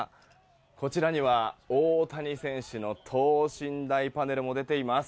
こちらには大谷選手の等身大パネルも出ています。